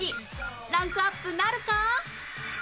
ランクアップなるか？